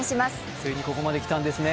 ついにここまで来たんですね。